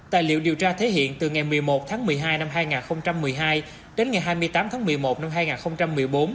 tài liệu điều tra thể hiện từ ngày một mươi một tháng một mươi hai năm hai nghìn một mươi hai đến ngày hai mươi tám tháng một mươi một năm hai nghìn một mươi bốn